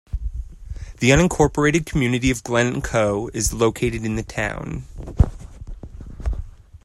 The unincorporated community of Glencoe is located in the town.